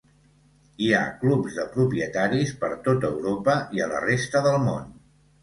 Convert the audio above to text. Hi ha clubs de propietaris per tot Europa i a la resta del món.